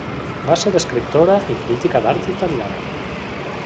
Va ser escriptora i crítica d'art italiana.